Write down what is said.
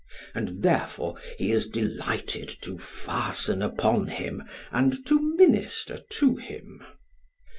And therefore he is delighted to fasten upon him and to minister to him.